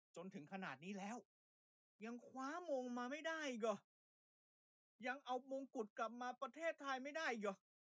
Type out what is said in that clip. จนถึงขนาดนี้แล้วยังคว้ามงมาไม่ได้อีกเหรอยังเอามงกุฎกลับมาประเทศไทยไม่ได้อีกเหรอ